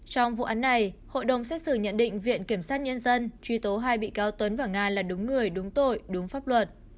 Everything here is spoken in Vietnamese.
trong vụ án này hội đồng xét xử nhận định viện kiểm sát nhân dân truy tố hai bị cáo tuấn và nga là đúng người đúng tội đúng pháp luật